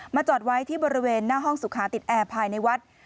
จอดไว้ที่บริเวณหน้าห้องสุขาติดแอร์ภายในวัด